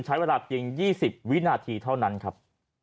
ใช้เวลาเปลี่ยนยี่สิบวินาทีเท่านั้นครับ